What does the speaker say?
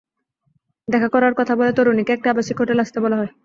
দেখা করার কথা বলে তরুণীকে একটি আবাসিক হোটেলে আসতে বলা হয়।